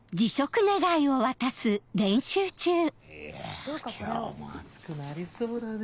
いや今日も暑くなりそうだね。